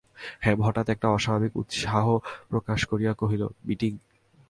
হেম হঠাৎ একটা অস্বাভাবিক উৎসাহ প্রকাশ করিয়া কহিল, মিটিঙ?